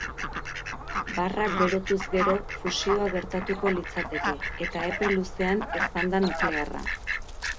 Barrak berotuz gero, fusioa gertatuko litzateke, eta epe luzean eztanda nuklearra.